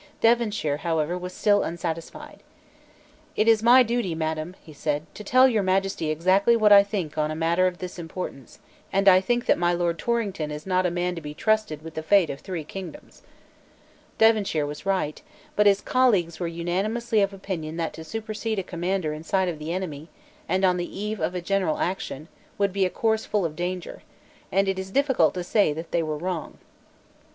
Devonshire, however, was still unsatisfied. "It is my duty, Madam," he said, "to tell Your Majesty exactly what I think on a matter of this importance; and I think that my Lord Torrington is not a man to be trusted with the fate of three kingdoms." Devonshire was right; but his colleagues were unanimously of opinion that to supersede a commander in sight of the enemy, and on the eve of a general action, would be a course full of danger, and it is difficult to say that they were wrong.